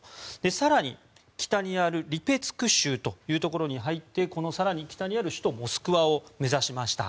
更に、北にあるリペツク州というところに入ってこの更に北にある首都モスクワを目指しました。